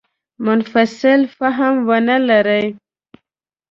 منفصل فهم ونه لري.